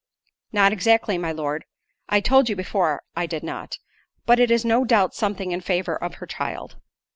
"Not exactly, my Lord—I told you before, I did not; but it is no doubt something in favour of her child."